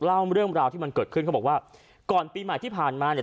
เล่าเรื่องราวที่มันเกิดขึ้นเขาบอกว่าก่อนปีใหม่ที่ผ่านมาเนี่ย